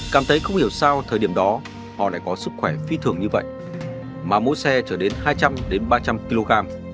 cảm thấy không hiểu sao thời điểm đó họ lại có sức khỏe phi thường như vậy mà mỗi xe chở đến hai trăm linh ba trăm linh kg